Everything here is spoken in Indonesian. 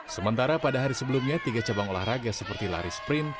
sementara pada hari sebelumnya tiga cabang olahraga seperti lari sprint